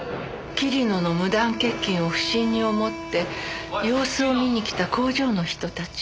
桐野の無断欠勤を不審に思って様子を見に来た工場の人たち。